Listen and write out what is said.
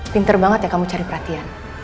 pinter banget ya kamu cari perhatian